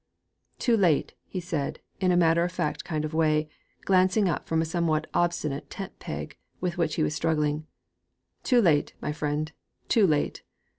'Too late!' he said, in a matter of fact kind of way, glancing up from a somewhat obstinate tent peg with which he was struggling. 'Too late, my friend, too late!'